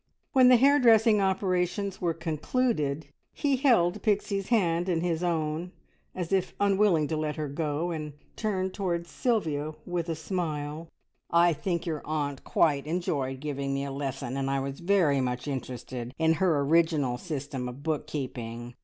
When the hairdressing operations were concluded, he held Pixie's hand in his own, as if unwilling to let her go, and turned towards Sylvia with a smile. "I think your aunt quite enjoyed giving me a lesson, and I was very much interested in her original system of book keeping.